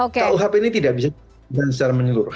kuhp ini tidak bisa berjalan secara menyeluruh